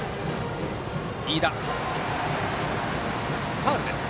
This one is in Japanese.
ファウルです。